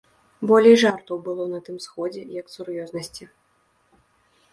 Болей жартаў было на тым сходзе, як сур'ёзнасці.